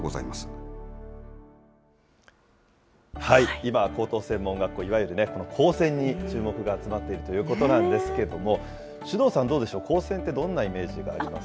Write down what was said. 今、高等専門学校、いわゆる高専に注目が集まっているということなんですけども、首藤さん、どうでしょう、高専ってどんなイメージがあります？